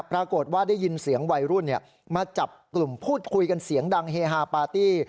ปรากฏว่าได้ยินเสียงวัยรุ่นมาจับกลุ่มพูดคุยกันเสียงดังเฮฮาปาร์ตี้